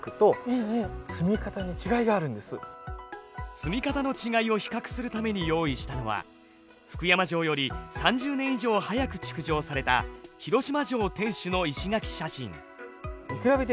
積み方の違いを比較するために用意したのは福山城より３０年以上早く築城された広島城天守の石垣写真。